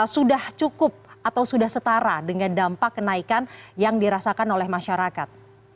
sudah cukup atau sudah setara dengan dampak kenaikan yang dirasakan oleh masyarakat